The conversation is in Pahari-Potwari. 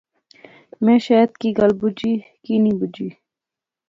میں شیت کی گل بجی۔۔۔ کی نی بجی